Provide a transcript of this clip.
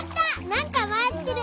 なんかまわってる！